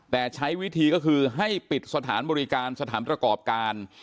แต่ใช้วิธีก็คือให้ปิดสถานบริการสถานประกอบการ